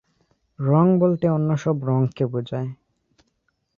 রং বলতে অন্য সব রঙকে বোঝায়।